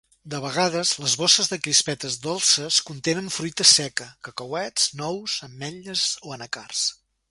De vegades, les bosses de crispetes dolces contenen fruita seca (cacauets, nous, ametlles o anacards).